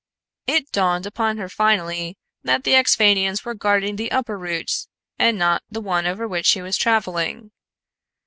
It dawned upon her finally that the Axphainians were guarding the upper route and not the one over which she was traveling.